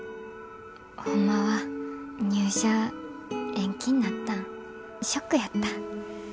ホンマは入社延期になったんショックやった。